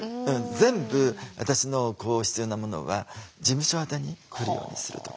全部私の必要なものは事務所宛に来るようにするとか。